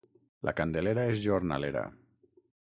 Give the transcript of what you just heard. La Candelera és jornalera.